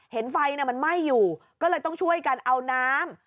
เห็นไฟมันไหม้อยู่ก็เลยต้องช่วยกันเอาน้ำ